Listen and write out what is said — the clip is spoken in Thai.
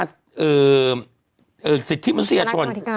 ศิษย์ที่ประสุนิยชน